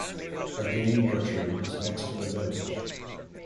A game butchery is next to the village.